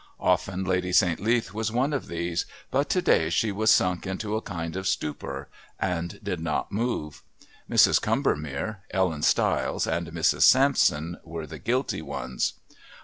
Often Lady St. Leath was one of these, but to day she was sunk into a kind of stupor and did not move. Mrs. Combermere, Ellen Stiles and Mrs. Sampson were the guilty ones.